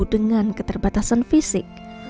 dengan keterbatasan fisik